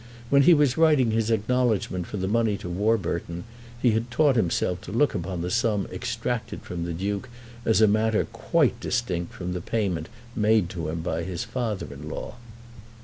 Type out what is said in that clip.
When he was writing his acknowledgement for the money to Warburton he had taught himself to look upon the sum extracted from the Duke as a matter quite distinct from the payment made to him by his father in law.